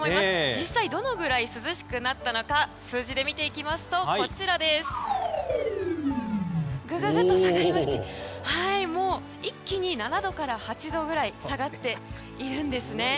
実際どのぐらい涼しくなったのか数字で見ていきますとググっと下がりまして一気に７度から８度くらい下がっているんですね。